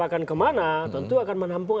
akan kemana tentu akan menampung